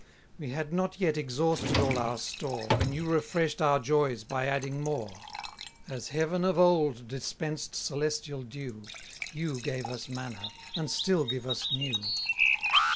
20 We had not yet exhausted all our store, When you refresh'd our joys by adding more: As Heaven, of old, dispensed celestial dew, You gave us manna, and still give us new.